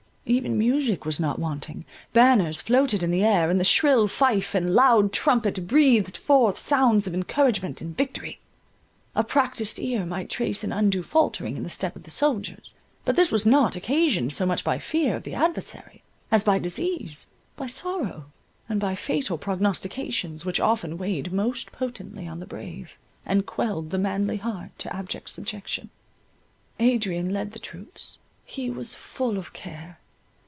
Even music was not wanting: banners floated in the air, and the shrill fife and loud trumpet breathed forth sounds of encouragement and victory. A practised ear might trace an undue faltering in the step of the soldiers; but this was not occasioned so much by fear of the adversary, as by disease, by sorrow, and by fatal prognostications, which often weighed most potently on the brave, and quelled the manly heart to abject subjection. Adrian led the troops. He was full of care.